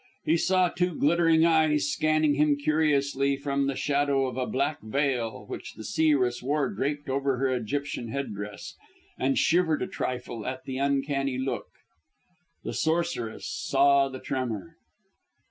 He saw two glittering eyes scanning him curiously from the shadow of a black veil which the seeress wore draped over her Egyptian head dress, and shivered a trifle at the uncanny look. The sorceress saw the tremor.